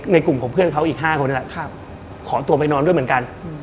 กลุ่มของเพื่อนเขาอีก๕คนนี่แหละขอตัวไปนอนด้วยเหมือนกัน